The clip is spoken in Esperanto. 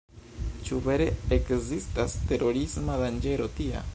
Ĉu vere ekzistas terorisma danĝero tia?